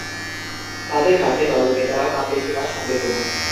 তাদের ডাকে দলের নেতারাও নামবে কি না সন্দেহ।